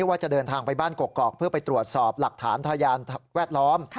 ว่าจะเดินทางไปบ้านกกอกเพื่อไปตรวจสอบหลักฐานพยานแวดล้อม